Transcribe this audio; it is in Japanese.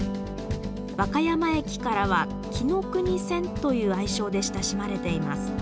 和歌山駅からは「きのくに線」という愛称で親しまれています。